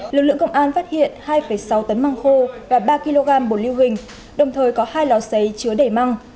lực lượng công an phát hiện hai sáu tấn măng khô và ba kg bột lưu hình đồng thời có hai lò xấy chứa để măng